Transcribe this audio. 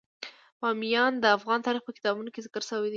بامیان د افغان تاریخ په کتابونو کې ذکر شوی دي.